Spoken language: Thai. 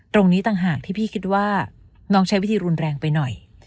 ตรงนี้ต่างหากที่พี่คิดว่าน้องใช้วิธีรุนแรงไปหน่อย